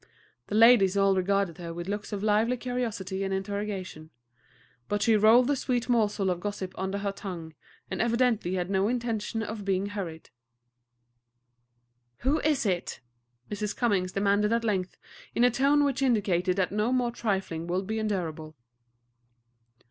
The ladies all regarded her with looks of lively curiosity and interrogation; but she rolled the sweet morsel of gossip under her tongue, and evidently had no intention of being hurried. "Who is it?" Mrs. Cummings demanded at length, in a tone which indicated that no more trifling would be endurable.